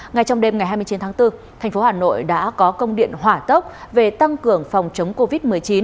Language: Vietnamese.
ngay trong đêm ngày hai mươi chín tháng bốn thành phố hà nội đã có công điện hỏa tốc về tăng cường phòng chống covid một mươi chín